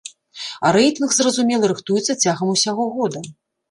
А рэйтынг, зразумела, рыхтуецца цягам усяго года.